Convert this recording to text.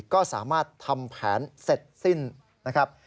ก็สามารถทำแผนเสร็จสิ้นนะครับ